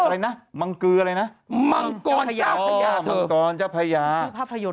อะไรนะมังเกลืออะไรนะมังกรเจ้าพญามังกรเจ้าพญาชื่อภาพยนตร์